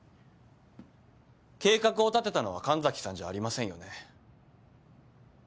計画を立てたのは神崎さんじゃありませんよね？